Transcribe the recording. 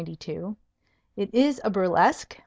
"It is a burlesque."